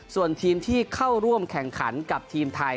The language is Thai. ส่วนทีมที่เข้าร่วมแข่งขันกับทีมไทย